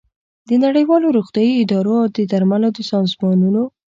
د نړیوالو روغتیايي ادارو او د درملو د سازمانونو